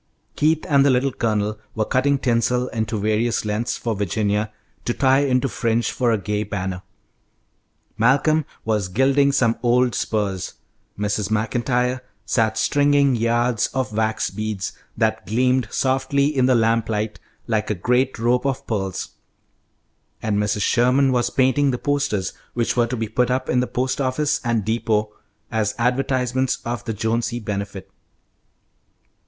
Keith and the Little Colonel were cutting tinsel into various lengths for Virginia to tie into fringe for a gay banner. Malcolm was gilding some old spurs, Mrs. Maclntyre sat stringing yards of wax beads, that gleamed softly in the lamplight like great rope of pearls, and Mrs. Sherman was painting the posters, which were to be put up in the post office and depot as advertisements of the Jonesy Benefit.